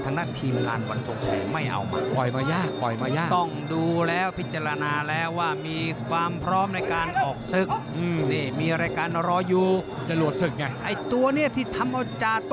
ทางหน้าทีมงานวันศพไม่เอามา